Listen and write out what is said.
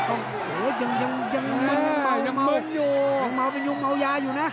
โอ้โหยังเมายังเมายังเมายาอยู่นะ